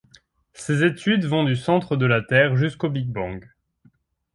Ces études vont du centre de la Terre jusqu'au Big-Bang.